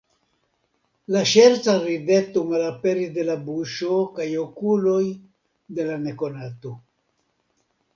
La ŝerca rideto malaperis de la buŝo kaj okuloj de la nekonato.